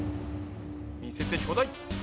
見せてちょうだい！